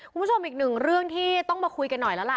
คุณผู้ชมอีกหนึ่งเรื่องที่ต้องมาคุยกันหน่อยแล้วล่ะ